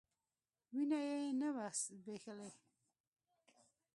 وينه يې نه وه ځبېښلې.